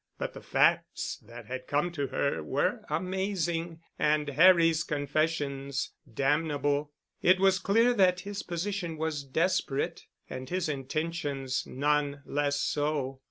But the facts that had come to her were amazing, and Harry's confessions damnable. It was clear that his position was desperate and his intentions none less so.